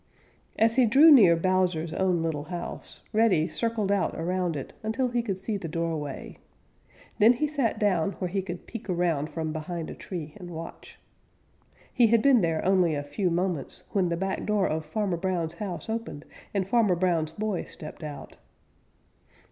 As he drew near Bowser's own little house, Reddy circled out around it until he could see the doorway. Then he sat down where he could peek around from behind a tree and watch. He had been there only a few moments when the back door of Farmer Brown's house opened and Farmer Brown's boy stepped out.